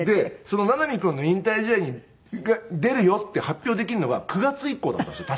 その名波君の引退試合に出るよって発表できるのが９月以降だったんですよ